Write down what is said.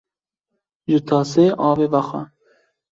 Ji tasê avê vexwe